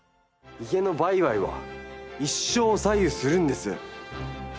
家の売買は一生を左右するんです。